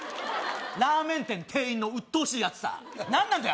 ラーメン店店員のうっとうしいアツさ何なんだよ